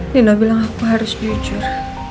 lina bilang aku harus jujur